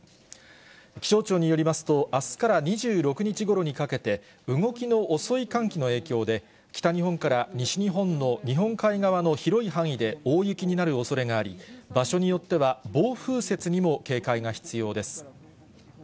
気象庁によりますと、あすから２６日ごろにかけて、動きの遅い寒気の影響で、北日本から西日本の日本海側の広い範囲で、大雪になるおそれがあり、場所によっては、暴風雪にも警戒が必要です。